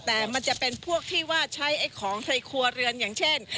แต่มันจะเป็นพวกที่ว่าใช้ไอ้ของในครัวเรือนอย่างเช่น